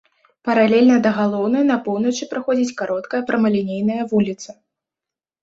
Паралельна да галоўнай на поўначы праходзіць кароткая прамалінейная вуліца.